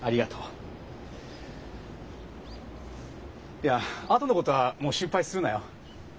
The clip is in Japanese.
いやあとのことはもう心配するなよ。